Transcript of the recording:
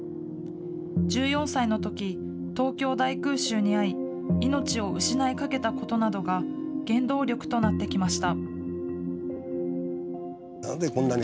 １４歳のとき、東京大空襲に遭い、命を失いかけたことなどが、原動力となってきました。